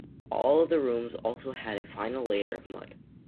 All of the rooms also had a final layer of mud.